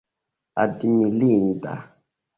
admirinda